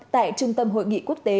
tại trung tâm hội nghị quốc tế